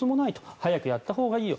早くやったほうがいいよ